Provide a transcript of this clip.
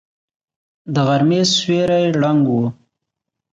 د غرمې سيوری ړنګ و.